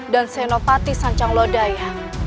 dan senopati sancanglodaya